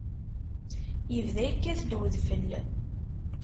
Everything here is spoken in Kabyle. Yebda yekkat-d udfel.